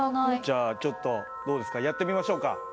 じゃあちょっとどうですかやってみましょうか。